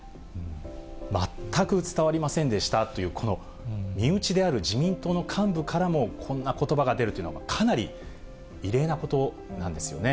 全く伝わりませんでしたという、この身内である自民党の幹部からもこんなことばが出るっていうのは、かなり異例なことなんですよね。